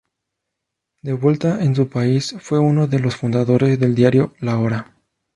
De vuelta en su país, fue uno de los fundadores del diario "La Hora".